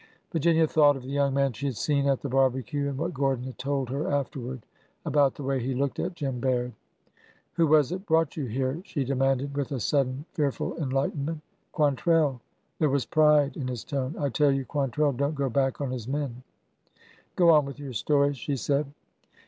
^' Virginia thought of the young man she had seen at the barbecue, and what Gordon had told her afterward about the way he looked at Jim Baird. Who was it brought you here ? she demanded, with a sudden, fearful enlightenment. " Quantrell.'' There was pride in his tone. I tell you, Quantrell don't go back on his men 1 "" Go on with your story," she said.